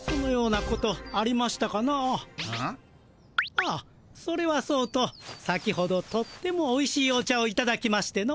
あっそれはそうと先ほどとってもおいしいお茶をいただきましての。